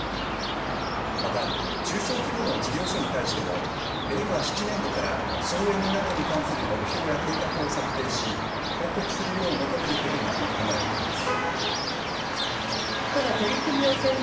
また中小規模の事業所に対しても令和７年度から省エネなどに関する目標や計画を策定し報告するよう求めることが盛り込まれています。